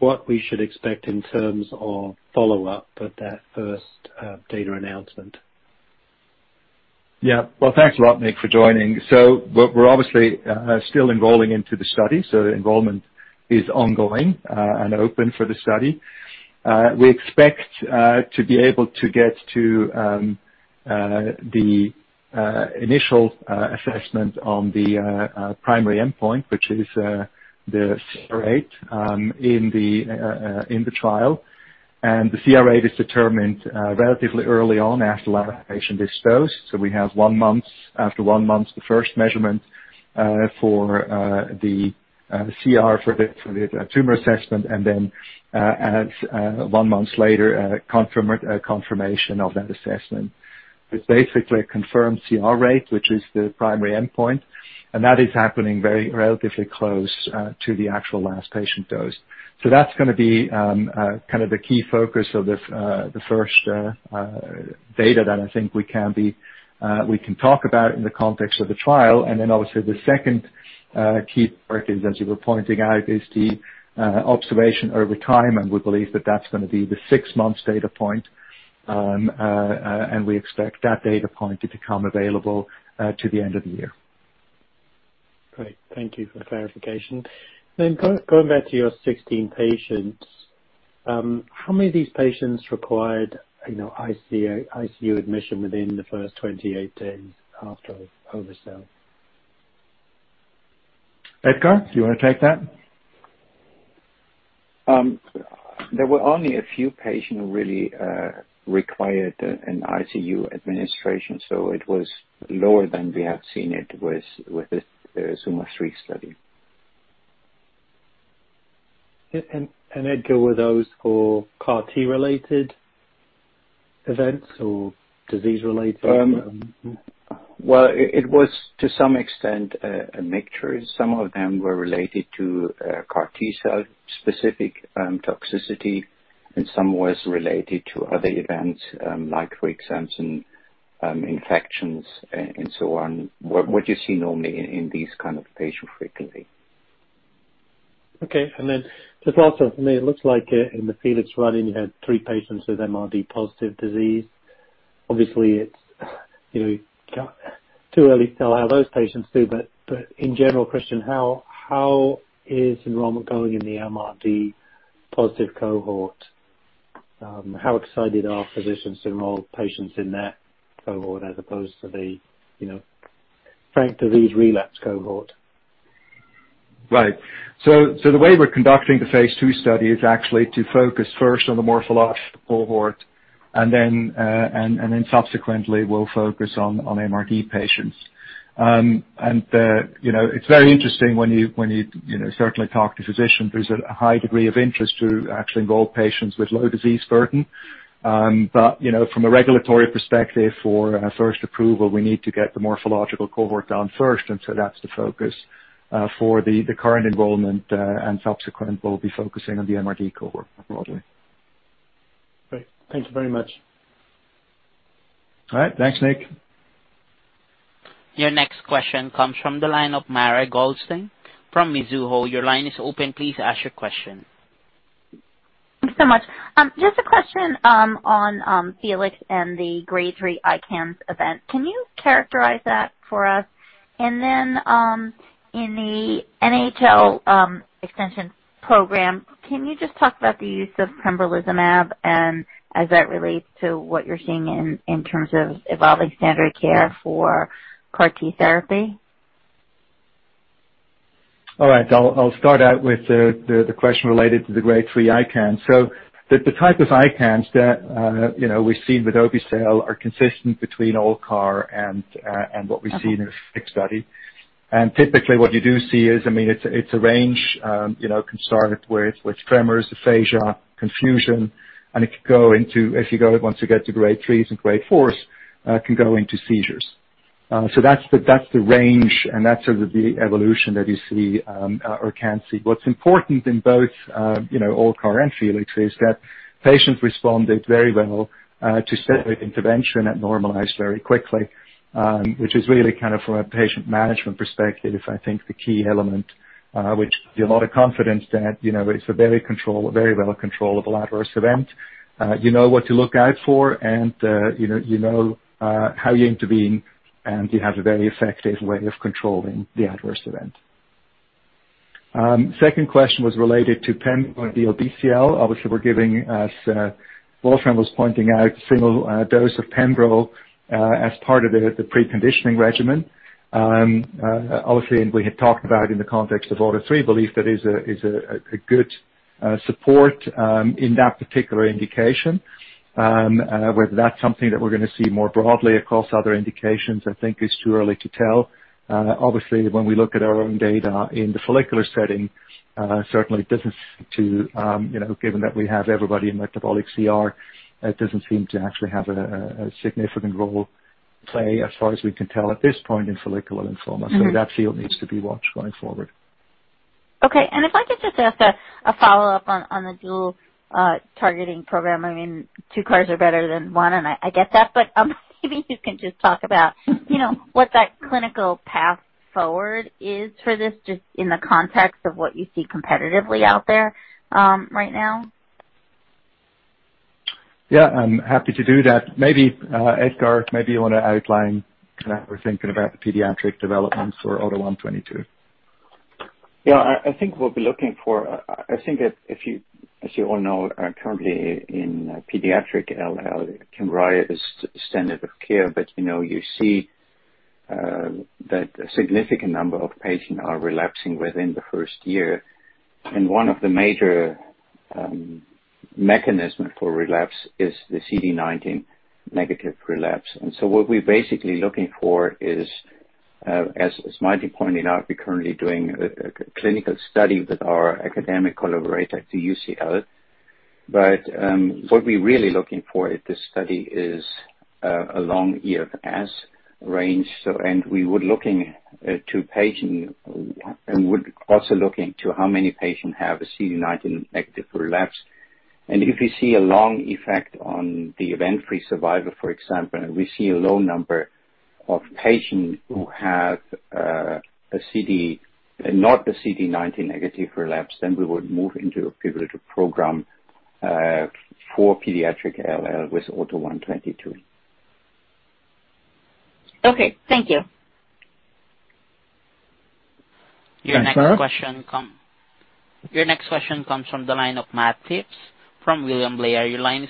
expected follow-up? Also, how many of the 16 patients required ICU admission within the first 28 days? Enrollment is ongoing. We expect to reach the primary endpoint—the confirmed CR rate—relatively close to the last patient dose. The second key part is the observation over time, and we believe that six-month data point will be available by the end of the year. Edgar, do you want to take the ICU question? That's gonna be kind of the key focus of this, the first data that I think we can talk about in the context of the trial. Then obviously the second key part, as you were pointing out, is the observation over time, and we believe that that's gonna be the six-month data point. We expect that data point to become available to the end of the year. Great. Thank you for the clarification. Going back to your 16 patients, you know, how many of these patients required ICU admission within the first 28 days after obe-cel? Edgar, do you want to take that? There were only a few patients who required an ICU admission; it was lower than what we have seen with the ZUMA-3 study. It was a mixture of CAR T-cell specific toxicity and other events like infections. Edgar, were those all CAR T-related events or disease-related? Well, it was to some extent a mixture. Some of them were related to CAR T-cell specific toxicity, and some was related to other events, like, for example, infections and so on. What you see normally in these kind of patient frequently. How is enrollment going in the MRD-positive cohort? How excited are physicians to enroll those patients as opposed to the frank disease relapse cohort? The phase II study focuses first on the morphological cohort for regulatory reasons, and subsequently we will focus on MRD patients. There is a high degree of interest from physicians to enroll patients with low disease burden. Great. Thank you very much. All right. Thanks, Nick. Your next question comes from Mara Goldstein from Mizuho Securities. Can you characterize the grade 3 ICANS event in FELIX? Also, can you talk about the use of pembrolizumab in the NHL extension and the clinical path forward for the dual targeting program? The types of ICANS seen are consistent with the ALLCAR study, ranging from tremors and confusion to seizures in grade 3 or 4. Crucially, patients responded very well to steroid intervention and normalized quickly. Regarding pembrolizumab, we are giving a single dose as part of preconditioning. In the follicular setting, everyone reached metabolic CR, so it does not seem to play a significant role there yet. Edgar, do you want to outline the pediatric developments for AUTO1/22? Okay. In this study. Typically, what you do see is, I mean, it's a range, you know, can start with tremors, aphasia, confusion, and it can go into. Once you get to grade 3s and grade 4s, it can go into seizures. So that's the range, and that's sort of the evolution that you see, or can see. What's important in both ALLCAR and FELIX is that patients responded very well to steroid intervention. It normalized very quickly, which is really kind of from a patient management perspective, I think the key element, which give you a lot of confidence that, you know, it's a very well controllable adverse event. You know what to look out for and you know how you intervene, and you have a very effective way of controlling the adverse event. Second question was related to FIM or the obe-cel. Obviously, we're giving, as Wolfram was pointing out, single dose of pembro as part of the preconditioning regimen. Obviously, we had talked about in the context of AUTO3 we believe that is a good support in that particular indication. Whether that's something that we're gonna see more broadly across other indications, I think is too early to tell. Obviously, when we look at our own data in the follicular setting, certainly it doesn't seem to, you know, given that we have everybody in metabolic CR, it doesn't seem to actually have a significant role play as far as we can tell at this point in follicular lymphoma. Mm-hmm. That field needs to be watched going forward. Okay. If I could just ask a follow-up on the dual targeting program. I mean, two CARs are better than one, and I get that, but maybe you can just talk about you know what that clinical path forward is for this, just in the context of what you see competitively out there right now. Yeah, I'm happy to do that. Maybe, Edgar, maybe you wanna outline how we're thinking about the pediatric developments for AUTO1/22. In pediatric ALL, Kymriah is the standard of care, but many patients relapse within the first year due to CD19 negative escape. We are conducting a study at UCL looking for a long EFS range and a low number of CD19 negative relapses. If successful, we would move into a pivotal program. If we see a long effect on the event-free survival, for example, and we see a low number of patients who have a CD19-negative relapse, then we would move into a pivotal program for pediatric ALL with AUTO1/22. Okay. Thank you. Thanks, Sarah. Your next question comes from Matt Phipps from William Blair. In the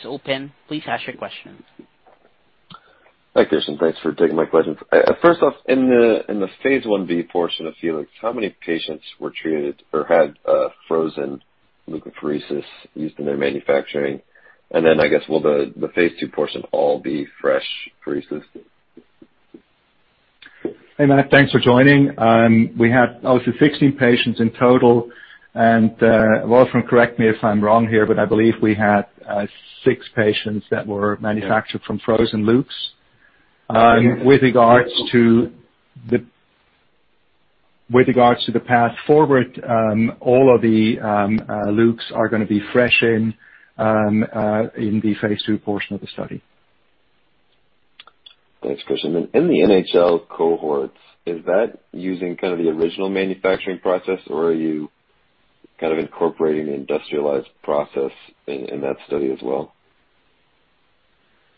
phase Ib portion of FELIX, how many patients used frozen leukapheresis? Also, in the NHL cohorts, are you using the original manufacturing process or the industrialized one? We had 16 patients total, and six patients were manufactured from frozen leuks. All leuks will be fresh in the phase II portion. In the non-Hodgkin patients, the process is closer to the original Prodigy process used in ALLCAR. We do not have the challenge of high circulating tumor cells in NHL, so the original process was well suited. Yeah. -manufactured from frozen leuks. With regards to the path forward, all of the leuks are gonna be fresh in the phase II portion of the study. Thanks, Kirsten. In the NHL cohorts, is that using kind of the original manufacturing process, or are you kind of incorporating the industrialized process in that study as well?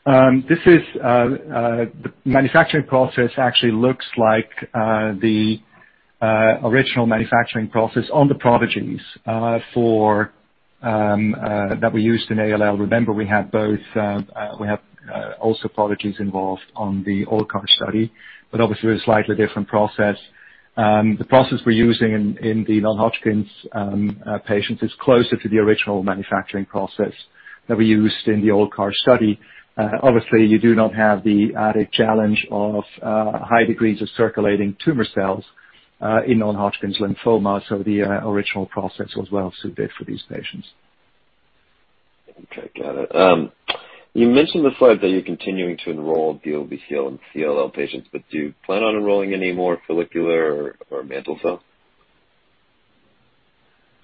The manufacturing process actually looks like the original manufacturing process on the Prodigy that we used in ALL. Remember, we have also Prodigy involved on the ALLCAR study, but obviously with a slightly different process. The process we're using in the non-Hodgkin patients is closer to the original manufacturing process that we used in the ALLCAR study. Obviously, you do not have the added challenge of high degrees of circulating tumor cells in non-Hodgkin lymphoma, so the original process was well suited for these patients. Okay. Got it. You mentioned the slide that you're continuing to enroll DLBCL and CLL patients, but do you plan on enrolling any more follicular or mantle cell?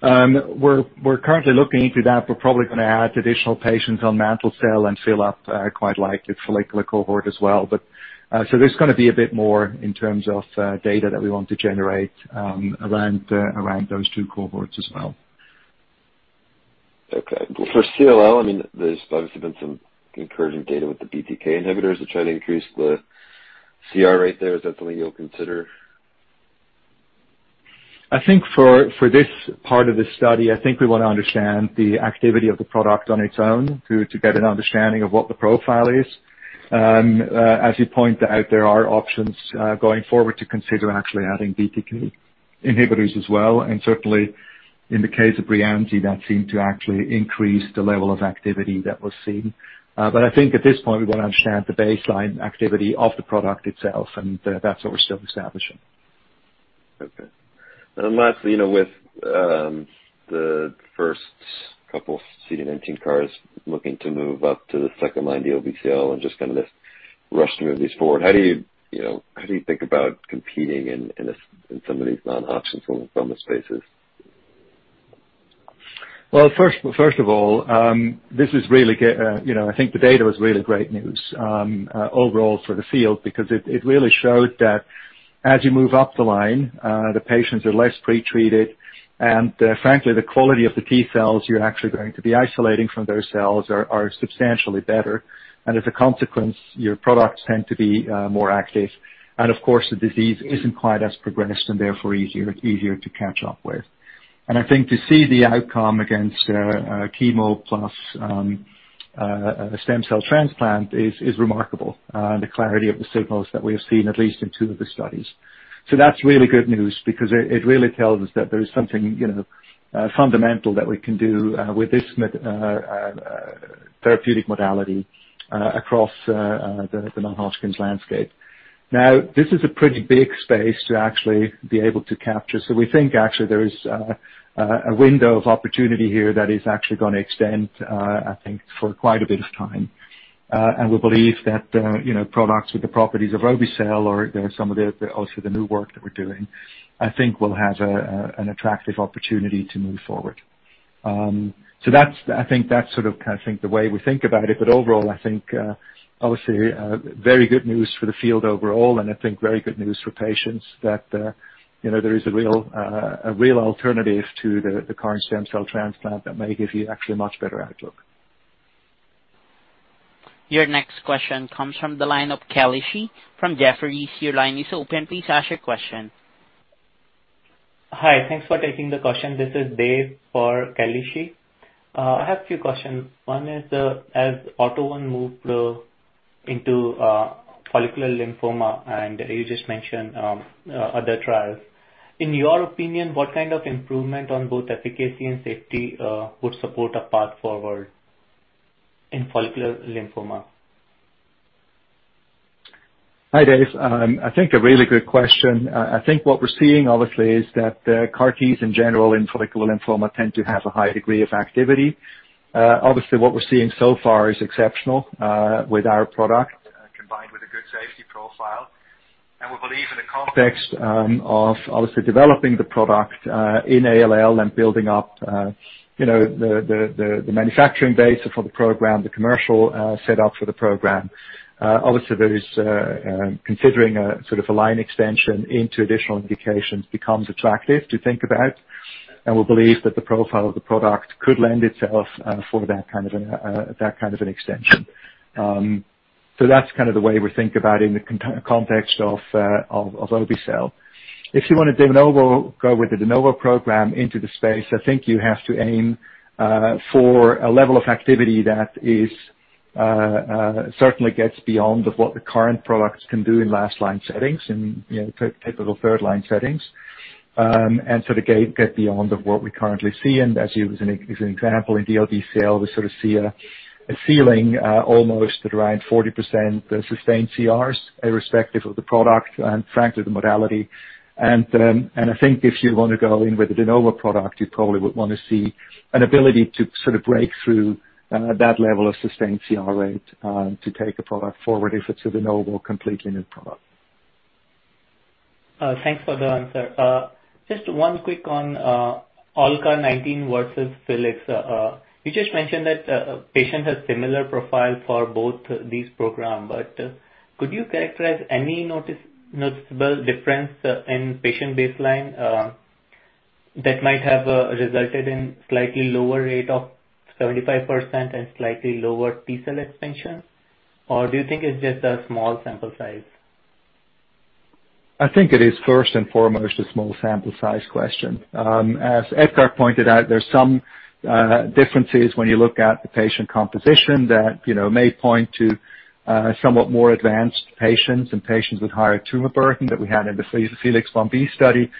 We're currently looking into that. We're probably gonna add additional patients on mantle cell and fill up quite likely follicular cohort as well. There's gonna be a bit more in terms of data that we want to generate around those two cohorts as well. Okay. Well, for CLL, I mean, there's obviously been some encouraging data with the BTK inhibitors to try to increase the CR right there. Is that something you'll consider? I think for this part of the study, I think we wanna understand the activity of the product on its own to get an understanding of what the profile is. As you point out, there are options going forward to consider actually adding BTK inhibitors as well. Certainly in the case of TRANSCEND, that seemed to actually increase the level of activity that was seen. I think at this point we want to understand the baseline activity of the product itself, and that's what we're still establishing. Lastly, with the first couple CD19 CARs moving to second-line DLBCL, how do you think about competing in the NHL space? The data is great news for the field because it shows that as you move up the line, the T cells are better quality and more active. To see the outcome against chemo plus a stem cell transplant is remarkable. We believe there is a window of opportunity that will extend for quite some time, and products like obe-cel will have an attractive opportunity to move forward. That's really good news because it really tells us that there is something, you know, fundamental that we can do with this therapeutic modality across the non-Hodgkin landscape. Now, this is a pretty big space to actually be able to capture. We think actually there is a window of opportunity here that is actually gonna extend, I think, for quite a bit of time. And we believe that, you know, products with the properties of obe-cel or some of the, also the new work that we're doing, I think will have an attractive opportunity to move forward. That's, I think that's sort of, I think the way we think about it. Overall, I think, obviously, very good news for the field overall, and I think very good news for patients that, you know, there is a real alternative to the current stem cell transplant that may give you actually a much better outlook. Your next question comes from the line of Kalisi from Jefferies. Your line is open. Please ask your question. Hi. Thanks for taking the question. This is Dave for Kelly. I have a few questions. One is, as AUTO1 moved into follicular lymphoma, and you just mentioned other trials. In your opinion, what kind of improvement on both efficacy and safety would support a path forward in follicular lymphoma? Hi, Dave. I think a really good question. I think what we're seeing obviously is that CAR Ts in general in follicular lymphoma tend to have a high degree of activity. Obviously what we're seeing so far is exceptional with our product combined with a good safety profile. We believe in the context of obviously developing the product in ALL and building up, you know, the manufacturing base for the program, the commercial setup for the program. Obviously there is—considering a sort of a line extension into additional indications becomes attractive to think about. We believe that the profile of the product could lend itself for that kind of an extension. That's kind of the way we think about in the context of obe-cel. If you want to de novo go with the de novo program into the space, I think you have to aim for a level of activity that is certainly—gets beyond of what the current products can do in last-line settings and, you know, typical third-line settings. To get beyond of what we currently see, and as an example in DLBCL, we sort of see a ceiling almost around 40% sustained CRs, irrespective of the product and frankly, the modality. I think if you want to go in with a de novo product, you probably would want to see an ability to sort of break through that level of sustained CR rate to take a product forward if it's a de novo completely new product. Thanks for the answer. Just one quick on ALLCAR19 versus FELIX. You just mentioned that patient has similar profile for both these program, but could you characterize any noticeable difference in patient baseline that might have resulted in slightly lower rate of 75% and slightly lower T-cell expansion? Or do you think it's just a small sample size? I think it is first and foremost a small sample size question. As Edgar pointed out, there's some differences when you look at the patient composition that, you know, may point to somewhat more advanced patients and patients with higher tumor burden that we had in the FELIX Ib study.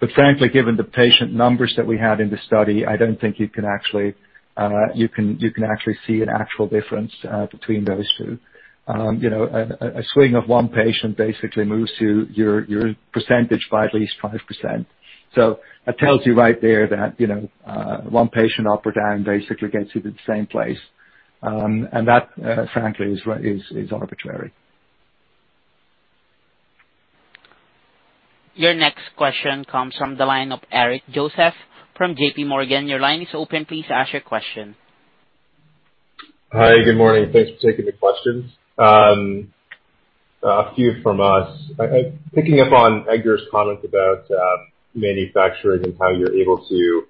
But frankly, given the patient numbers that we had in the study, I don't think you can actually see an actual difference between those two. You know, a swing of one patient basically moves your percentage by at least 5%. So that tells you right there that, you know, one patient up or down basically gets you to the same place. And that, frankly, is arbitrary. Your next question comes from the line of Eric Joseph from JPMorgan. Your line is open. Please ask your question. Hi. Good morning. Thanks for taking the questions. A few from us. Picking up on Edgar's comment about manufacturing and how you're able to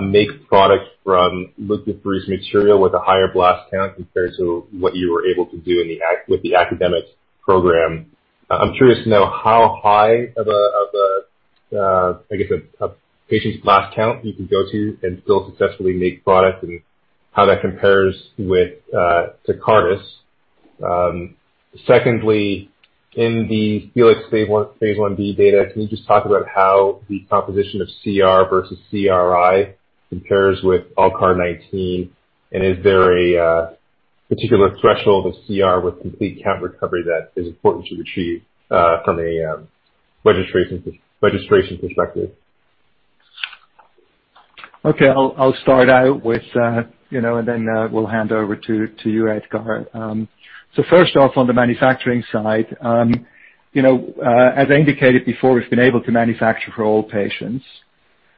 make products from leukapheresis material with a higher blast count compared to what you were able to do in the academic program. I'm curious to know how high of a patient's blast count you can go to and still successfully make product and how that compares with Tecartus. Secondly, in the FELIX Phase I, Phase Ib data, can you just talk about how the composition of CR versus CRI compares with ALLCAR19, and is there a particular threshold of CR with complete count recovery that is important to achieve from a registration perspective? I'll start out with you know and then we'll hand over to you, Edgar Braendle. First off, on the manufacturing side, you know, as I indicated before, we've been able to manufacture for all patients.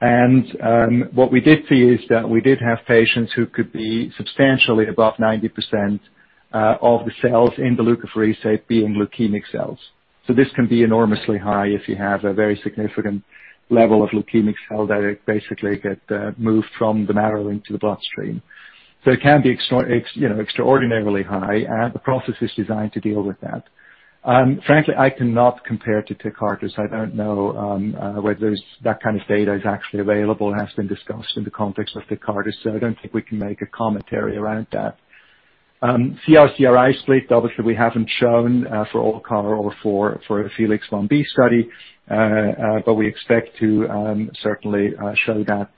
What we did see is that we did have patients who could be substantially above 90% of the cells in the leukapheresis being leukemic cells. This can be enormously high if you have a very significant level of leukemic cell that basically get moved from the marrow into the bloodstream. It can be extraordinarily high, and the process is designed to deal with that. Frankly, I cannot compare to Tecartus. I don't know whether there's that kind of data is actually available and has been discussed in the context of Tecartus, so I don't think we can make a commentary around that. CR CRI split, obviously we haven't shown for obe-cel or for the FELIX Ib study. But we expect to certainly show that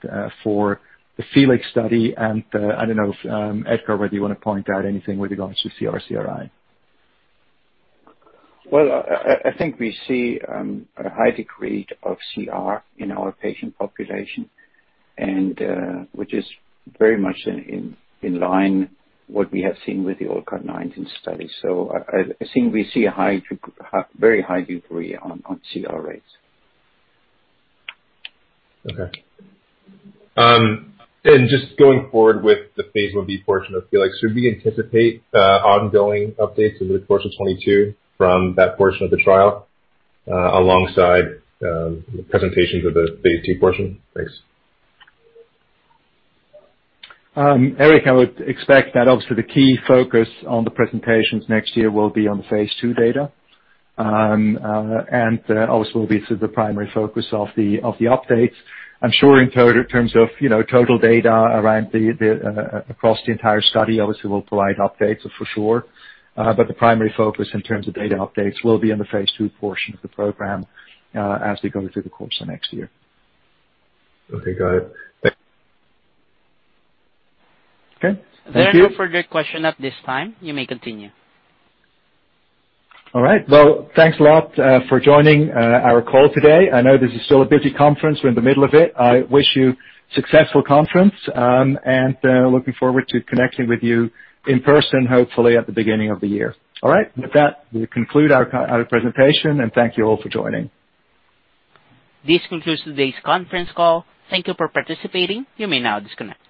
for the FELIX study and I don't know if Edgar whether you wanna point out anything with regards to CR CRI. Well, I think we see a high degree of CR in our patient population and which is very much in line with what we have seen with the ALLCAR19 study. I think we see a very high degree of CR rates. Okay. Just going forward with the Phase Ib portion of FELIX, should we anticipate ongoing updates into the course of 2022 from that portion of the trial, alongside presentations of the Phase II portion? Thanks. Eric, I would expect that obviously the key focus on the presentations next year will be on the Phase II data. Also will be the primary focus of the updates. I'm sure in terms of, you know, total data around, across the entire study obviously we'll provide updates for sure. The primary focus in terms of data updates will be in the Phase II portion of the program, as we go through the course of next year. Okay, got it. Thanks. Okay. Thank you. There are no further questions at this time. You may continue. All right. Well, thanks a lot for joining our call today. I know this is still a busy conference. We're in the middle of it. I wish you successful conference, and looking forward to connecting with you in person, hopefully at the beginning of the year. All right. With that, we conclude our presentation, and thank you all for joining. This concludes today's conference call. Thank you for participating. You may now disconnect.